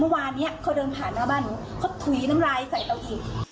เมื่อวานนี้เขาเดินผ่านหน้าบ้านหนูเขาถุยน้ำลายใส่เราอีก